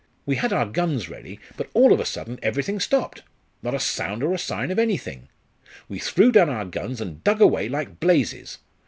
We had our guns ready, but all of a sudden everything stopped not a sound or a sign of anything! We threw down our guns and dug away like blazes.